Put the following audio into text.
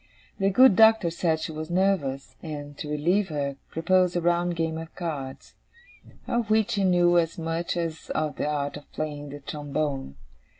The good Doctor said she was nervous, and, to relieve her, proposed a round game at cards; of which he knew as much as of the art of playing the trombone.